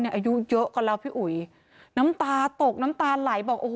อายุเยอะกันแล้วพี่อุ๋ยน้ำตาตกน้ำตาไหลบอกโอ้โห